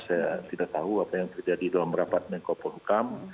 saya tidak tahu apa yang terjadi dalam rapat menko polhukam